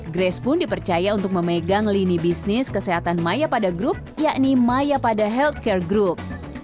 grace pun dipercaya untuk memegang lini bisnis kesehatan maya pada grup yakni maya pada healthcare group